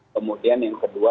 kemudian yang kedua